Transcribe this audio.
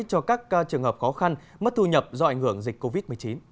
cho các trường hợp khó khăn mất thu nhập do ảnh hưởng dịch covid một mươi chín